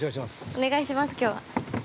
お願いします、きょうは。